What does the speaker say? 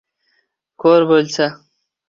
Ko‘r bo‘lsa